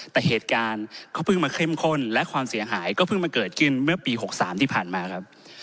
แต่เหตุการณ์เขาเพิ่งมาเข้มข้นและความเสียหายก็เพิ่งมาเกิดขึ้นเมื่อปี๖๓ที่ผ่านมาครับ